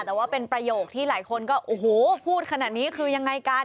แต่ว่าเป็นประโยคที่หลายคนก็โอ้โหพูดขนาดนี้คือยังไงกัน